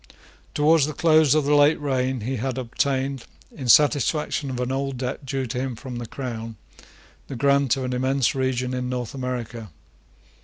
Towards the close of the late reign he had obtained, in satisfaction of an old debt due to him from the crown, the grant of an immense region in North America.